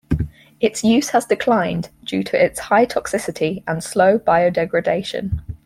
Its use has declined due to its high toxicity and slow biodegradation.